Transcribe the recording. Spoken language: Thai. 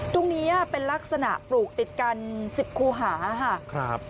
ตรงนี้เป็นลักษณะปลูกติดกัน๑๐คูหาค่ะ